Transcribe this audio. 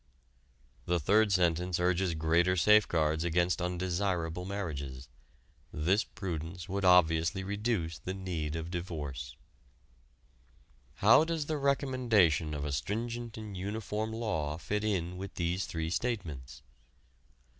The third sentence urges greater safeguards against undesirable marriages. This prudence would obviously reduce the need of divorce. How does the recommendation of a stringent and uniform law fit in with these three statements?